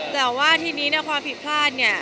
แต่ว่าทีนี้เนี่ยความผิดพลาดเนี่ย